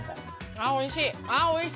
ああおいしい！